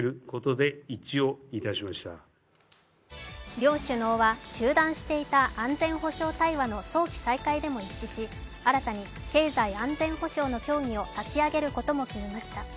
両首脳は中断していた安全保障対話の早期再開でも一致し、新たに経済安全保障の協議を立ち上げることも決めました。